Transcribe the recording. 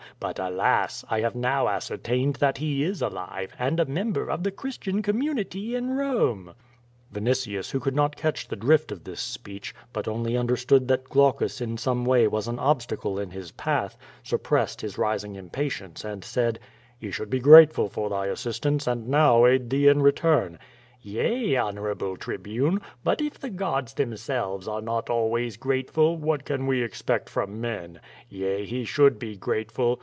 But, alas! I have now ascertained that he is alive, and a member of the Christian community in Borne/* QVO VADI8. 131 Vinitins, who could not catch the drift of this speech, but only understood that Glaucus in some way was an obstacle in his path, suppressed his rising impatience, and said: "He should be grateful for thy assistance and now aid thee in return/' ^TTea, honorable Tribune. But if the gods themselves are not always grateful, what can we expect from men? Yea, he should be grateful.